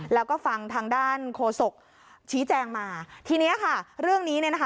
แล้วก็ฟังทางด้านโคศกชี้แจงมาทีเนี้ยค่ะเรื่องนี้เนี่ยนะคะ